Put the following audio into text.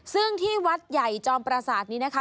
ซึ่งที่วัดใหญ่จอมประสาทนี้นะคะ